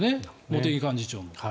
茂木幹事長。